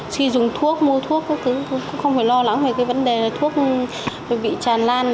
khi dùng thuốc mua thuốc các thứ cũng không phải lo lắng về cái vấn đề là thuốc bị tràn lan